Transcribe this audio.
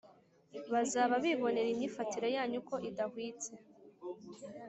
Bazaba bibonera imyifatire yanyu ko idahwitse